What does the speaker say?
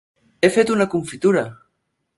He fet una confitura!